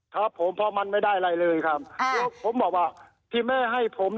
ครับผมเพราะมันไม่ได้อะไรเลยครับแล้วผมบอกว่าที่แม่ให้ผม